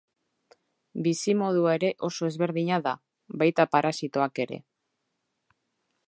Bizimodua ere oso ezberdina da, baita parasitoak ere.